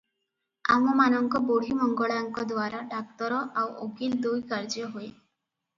ଆମମାନଙ୍କ ବୁଢ଼ୀମଙ୍ଗଳାଙ୍କ ଦ୍ୱାରା ଡାକ୍ତର ଆଉ ଓକିଲ ଦୁଇ କାର୍ଯ୍ୟ ହୁଏ ।